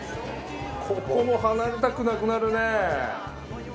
ここも離れたくなくなるね。